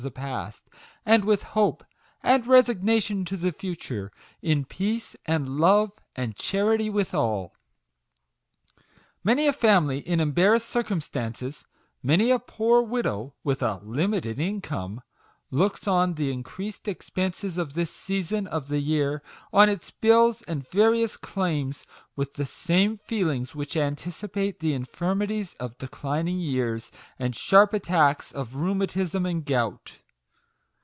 the past, and with hope and resignation to the future, in peace, and love, and charity with all ! Many a family in embarrassed circumstances, many a poor widow with a " limited income," looks on the increased expenses of this season of the year, on its bills and various claims, with the same feelings which anticipate the infirmities of declining years and sharp attacks of rheumatism and gout.